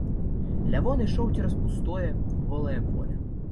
Лявон ішоў цераз пустое, голае поле.